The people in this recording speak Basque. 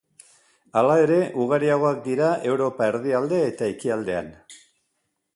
Hala ere, ugariagoak dira Europa erdialde eta ekialdean.